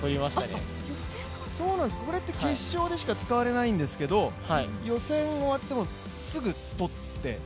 これって決勝でしか使われないんですけど、予選終わってすぐ撮って。